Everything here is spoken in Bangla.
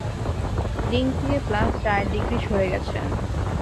রিং থেকে প্লাস চার ডিগ্রি সরে গেছেন।